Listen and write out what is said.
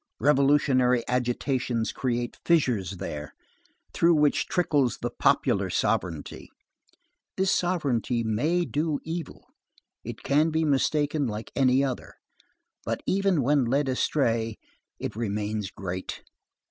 Revolutionary agitations create fissures there, through which trickles the popular sovereignty. This sovereignty may do evil; it can be mistaken like any other; but, even when led astray, it remains great.